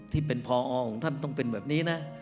ที่เป็นพอของท่านต้องเป็นแบบนี้นะ